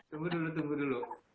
tunggu dulu tunggu dulu